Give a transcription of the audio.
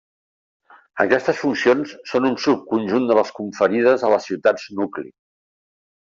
Aquestes funcions són un subconjunt de les conferides a les ciutats nucli.